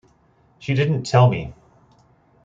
She didn't tell me.